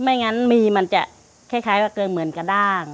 ไม่งั้นมีมันจะคล้ายว่าเกินเหมือนกระด้าง